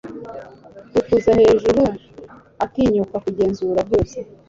yifuza hejuru, atinyuka kugenzura byose